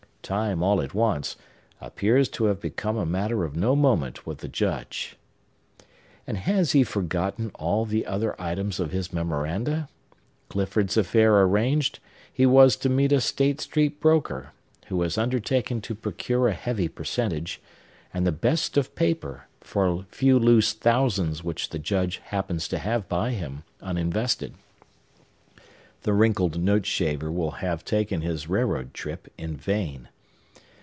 Time, all at once, appears to have become a matter of no moment with the Judge! And has he forgotten all the other items of his memoranda? Clifford's affair arranged, he was to meet a State Street broker, who has undertaken to procure a heavy percentage, and the best of paper, for a few loose thousands which the Judge happens to have by him, uninvested. The wrinkled note shaver will have taken his railroad trip in vain.